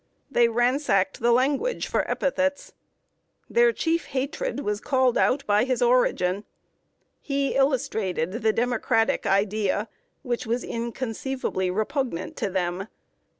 They ransacked the language for epithets. Their chief hatred was called out by his origin. He illustrated the Democratic Idea, which was inconceivably repugnant to them.